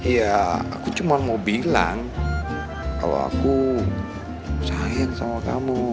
ya aku cuma mau bilang kalau aku cahit sama kamu